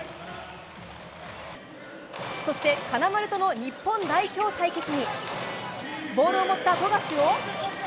そして、金丸との日本代表対決にボールを持った富樫を。